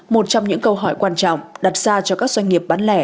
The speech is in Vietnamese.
một trong những câu hỏi quan trọng đặt ra cho các doanh nghiệp bán lẻ